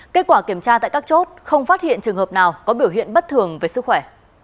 kết quả kiểm tra tại các chốt không phát hiện trường hợp nào có biểu hiện bất thường về sức khỏe